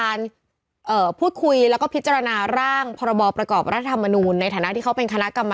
อ่าอ่าอ่าอ่าอ่าอ่าอ่าอ่าอ่าอ่าอ่า